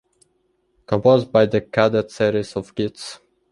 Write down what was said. Composed by the "Cadet" series of kits.